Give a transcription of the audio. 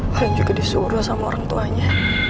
kalian juga disuruh sama orang tuanya